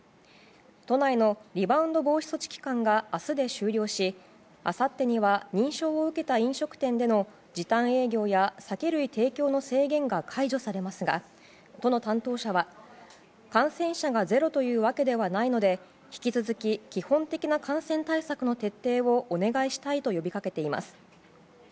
都内のリバウンド防止措置期間が明日で終了しあさってには認証を受けた飲食店での時短営業や酒類提供の制限が解除されますが都の担当者は、感染者がゼロというわけではないので引き続き基本的な感染対策の徹底をお願いしたいと呼びかけています。